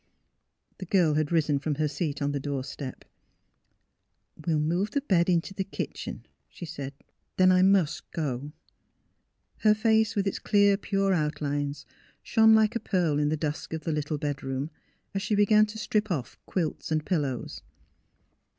The girl had risen from her seat on the door step. *' We'll move the bed into the kitchen," she said. Then I must go." Her face with its clear, pure outlines shone like a pearl in the dusk of the little bedroom, as she began to strip off quilts and pillows.